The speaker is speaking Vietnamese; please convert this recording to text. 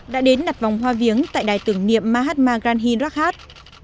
đã đến đặt vòng hoa viếng tại đài tưởng niệm mahatma ganhi rakhat